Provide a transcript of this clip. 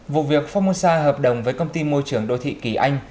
vụ việc formosa hợp đồng với công ty môi trường đô thị kỳ anh